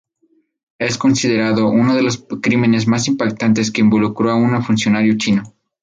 Es considerado uno de los crímenes más impactantes que involucró a un funcionario chino.